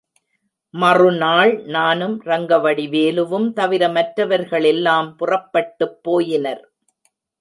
மறுநாள் நானும் ரங்கவடிவேலுவும் தவிர மற்றவர்களெல்லாம் புறப்பட்டுப் போயினர்.